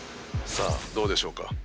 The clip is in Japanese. さあどうでしょうか？